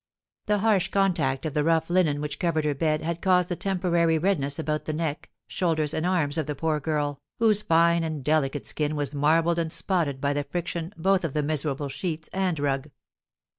The harsh contact of the rough linen which covered her bed had caused a temporary redness about the neck, shoulders, and arms of the poor girl, whose fine and delicate skin was marbled and spotted by the friction both of the miserable sheets and rug.